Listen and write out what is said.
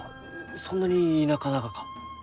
そんなに田舎ながか？